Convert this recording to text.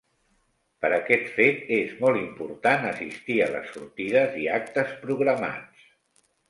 Per aquest fet, és molt important assistir a les sortides i actes programats.